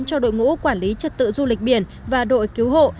cho đội ngũ quản lý trật tự du lịch biển và đội cứu hộ